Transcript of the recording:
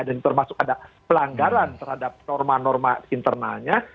dan termasuk ada pelanggaran terhadap norma norma internalnya